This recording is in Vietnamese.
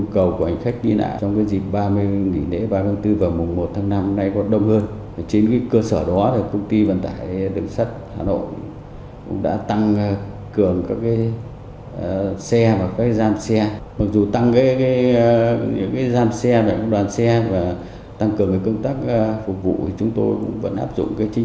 công ty cổ phần vận tải đường sát hà nội sẽ tăng cường chạy thêm năm mươi năm đoàn tàu trên các tuyến